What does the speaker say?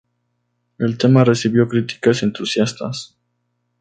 El tema recibió críticas entusiastas.